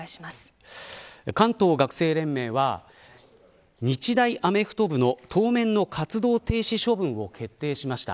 関東学生連盟は日大アメフト部の当面の活動停止処分を決定しました。